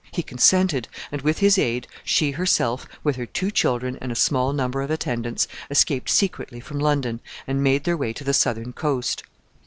He consented, and, with his aid, she herself, with her two children and a small number of attendants, escaped secretly from London, and made their way to the southern coast.